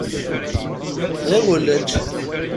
Ɣiwel ečč.